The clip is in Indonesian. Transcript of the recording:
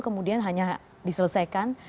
kemudian hanya diselesaikan